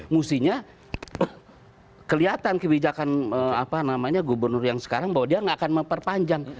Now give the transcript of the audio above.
mestinya kelihatan kebijakan apa namanya gubernur yang sekarang bahwa dia nggak akan memperpanjang